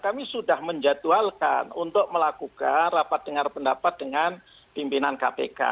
kami sudah menjatuhalkan untuk melakukan rapat dengar pendapat dengan pimpinan kpk